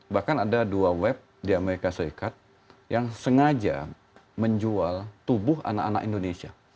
bahkan ada dua web di amerika serikat yang sengaja menjual tubuh anak anak indonesia